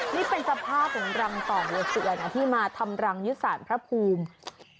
นี่เป็นสภาพของรังต่อหัวเสือนะที่มาทำรังยึดสารพระภูมิ